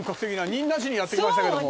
仁和寺にやって来ましたけども。